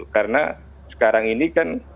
karena sekarang ini kan